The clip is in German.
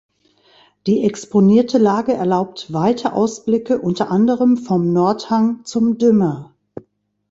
Die exponierte Lage erlaubt weite Ausblicke, unter anderem vom Nordhang zum Dümmer.